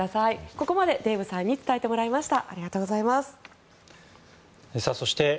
ここまでデーブさんに伝えてもらいました。